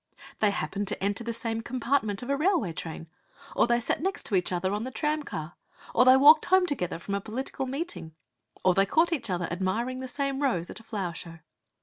They happened to enter the same compartment of a railway train; or they sat next each other on the tramcar; or they walked home together from a political meeting; or they caught each other admiring the same rose at a flower show.